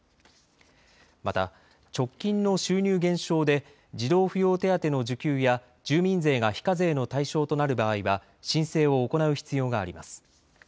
また直近の収入減少で児童扶養手当の受給や住民税が非課税の対象となる場合は申請を行う必要があります。